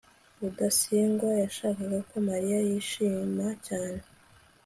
rudasingwa yashakaga ko mariya yishima cyane